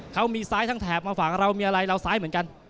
เขามีซ้ายทั้งแถบมาฝากเรามีอะไรเราซ้ายเหมือนกัน